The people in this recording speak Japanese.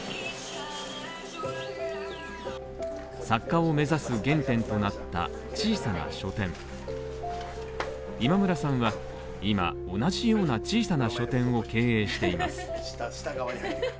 作家を目指す原点となった小さな書店今村さんは今、同じような小さな書店を経営しています。